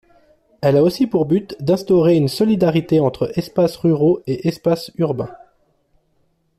Elle a aussi pour but d'instaurer une solidarité entre espaces ruraux et espaces urbains.